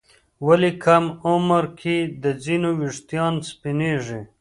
ولې کم عمر کې د ځینو ويښتان سپینېږي؟